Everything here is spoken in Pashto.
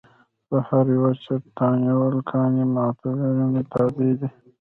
د هر یوه چت تعینول مکاني متغیرونو تابع دي.